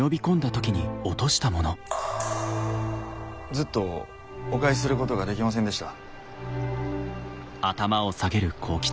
ずっとお返しすることができませんでした。